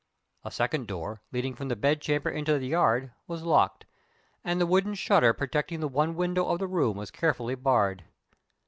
A second door, leading from the bed chamber into the yard, was locked; and the wooden shutter protecting the one window of the room was carefully barred.